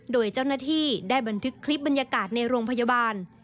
โดยเจ้าหน้าที่ได้บันทึกคลิปบรรยากาศในโรงพยาบาล